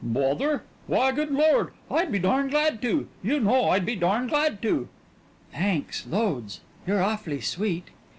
"Bother? Why, good Lord, I'd be darn glad to! You know I'd be darn glad to." "Thanks loads! You're awfully sweet."